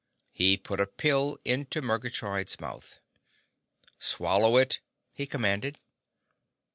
He put a pill into Murgatroyd's mouth. "Swallow it!" he commanded.